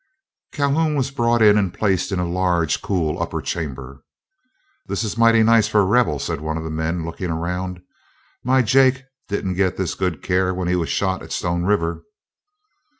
Calhoun was brought in and placed in a large, cool upper chamber. "This is mighty nice for a Rebel," said one of the men, looking around. "My Jake didn't get this good care when he was shot at Stone River."